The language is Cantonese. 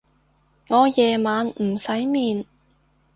我夜晚唔使面